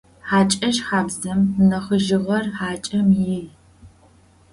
Хьакӏэщ хабзэм нахьыжъыгъэр хьакӏэм ий.